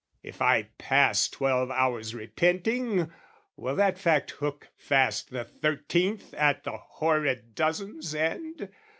If I pass Twelve hours repenting, will that fact hook fast The thirteenth at the horrid dozen's end?